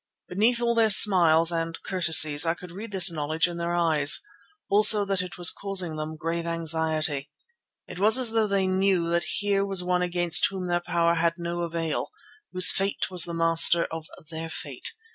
Beneath all their smiles and courtesies I could read this knowledge in their eyes; also that it was causing them grave anxiety. It was as though they knew that here was one against whom their power had no avail, whose fate was the master of their fate.